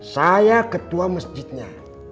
saya ketua masjidnya